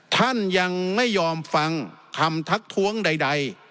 ท่านยังไม่ยอมฟังคำทักท้วงใด